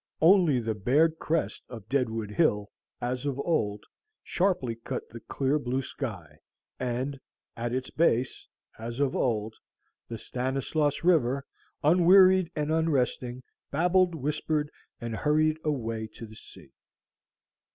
Only the bared crest of Deadwood Hill, as of old, sharply cut the clear blue sky, and at its base, as of old, the Stanislaus River, unwearied and unresting, babbled, whispered, and hurried away to the sea.